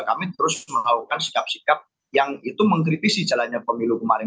kami terus melakukan sikap sikap yang itu mengkritisi jalannya pemilu kemarin